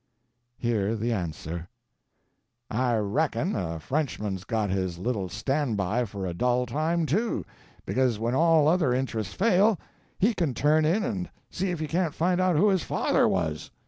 Hear the answer: "I reckon a Frenchman's got his little standby for a dull time, too; because when all other interests fail, he can turn in and see if he can't find out who his father was."